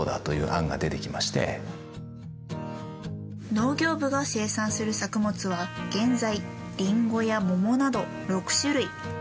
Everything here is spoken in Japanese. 農業部が生産する作物は現在リンゴや桃など６種類。